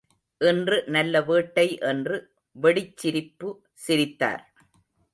இன்று நல்ல வேட்டை என்று வெடிச் சிரிப்பு சிரித்தார்.